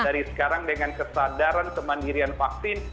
dari sekarang dengan kesadaran kemandirian vaksin